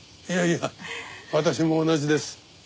いやいや私も同じです。